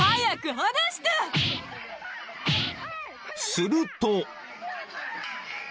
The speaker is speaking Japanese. ［すると］